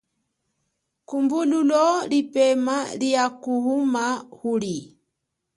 Kumbululo lipema lia kuhuma uli.